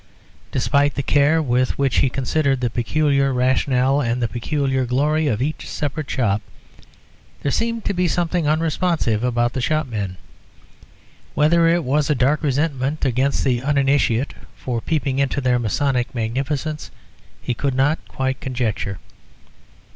Despite the care with which he considered the peculiar rationale and the peculiar glory of each separate shop, there seemed to be something unresponsive about the shopmen. Whether it was a dark resentment against the uninitiate for peeping into their masonic magnificence, he could not quite conjecture.